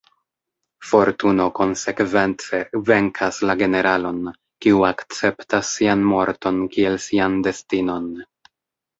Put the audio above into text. Fortuno konsekvence venkas la generalon, kiu akceptas sian morton kiel sian destinon"".